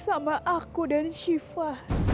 sama aku dan siva